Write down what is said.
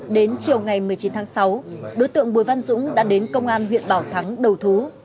đến chiều ngày một mươi chín tháng sáu đối tượng bùi văn dũng đã đến công an huyện bảo thắng đầu thú